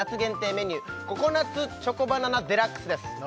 メニューココナッツチョコバナナＤＸです